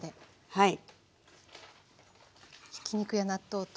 はい。